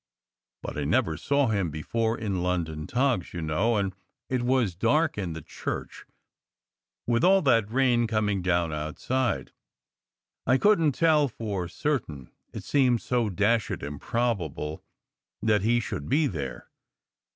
But I never saw him before in London togs, you know, and it was dark in the church, with all that rain coming down outside. I couldn t tell for certain, it seemed so dashed improbable that he should be there.